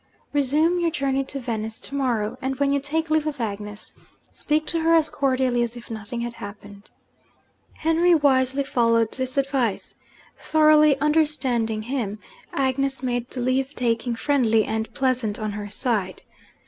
Resume your journey to Venice to morrow; and when you take leave of Agnes, speak to her as cordially as if nothing had happened.' Henry wisely followed this advice. Thoroughly understanding him, Agnes made the leave taking friendly and pleasant on her side.